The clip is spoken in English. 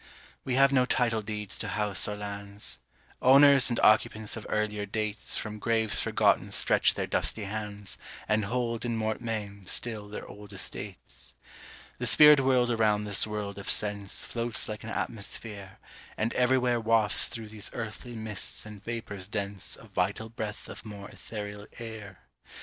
We have no title deeds to house or lands; Owners and occupants of earlier dates From graves forgotten stretch their dusty hands, And hold in mortmain still their old estates. The spirit world around this world of sense Floats like an atmosphere, and everywhere Wafts through these earthly mists and vapors dense A vital breath of more ethereal air.